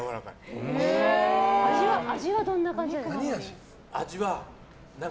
味はどんな感じですか？